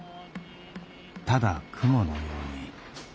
ただ雲のように。